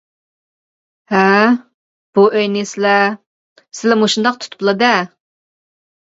-ھە؟ ! بۇ ئۆينى سىلە. سىلە مۇشۇنداق تۇتۇپلا دە؟ !